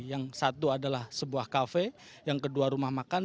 yang satu adalah sebuah kafe yang kedua rumah makan